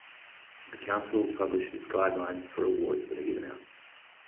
The Council publishes guidelines for awards that are given out.